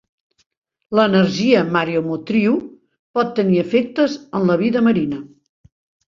L'energia mareomotriu pot tenir efectes en la vida marina.